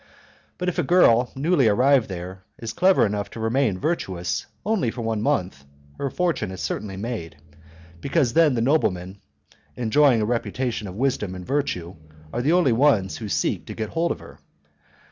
But if a girl, newly arrived there, is clever enough to remain virtuous only for one month, her fortune is certainly made, because then the noblemen enjoying a reputation of wisdom and virtue are the only ones who seek to get hold of her.